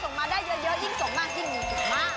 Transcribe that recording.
ส่งมาได้เยอะยิ่งส่งมากยิ่งมาก